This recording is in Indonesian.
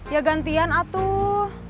ya gantian atuh